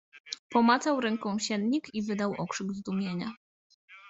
Pomacał ręką siennik i wydał okrzyk zdumienia.